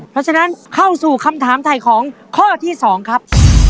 เพราะฉะนั้นเข้าสู่คำถามถ่ายของข้อที่๒ครับ